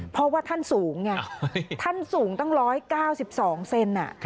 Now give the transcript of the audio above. เพราะว่าท่านสูงไงท่านสูงตั้ง๑๙๒เซน